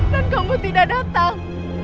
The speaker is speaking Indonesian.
dan kamu tidak datang